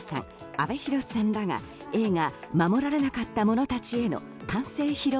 阿部寛さんらが映画「護られなかった者たちへ」の完成披露